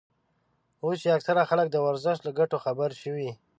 اوس چې اکثره خلک د ورزش له ګټو خبر شوي.